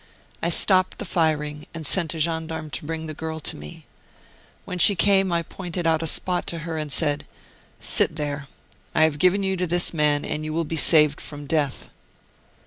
I stopped the firing and sent a gendarme to bring the girl to me. When she came I pointed out a spot to her and said, ' Sit there. I have given you to this man, and you will be saved from death.